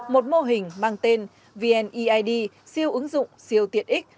một mô hình mang tên vneid siêu ứng dụng siêu tiện ích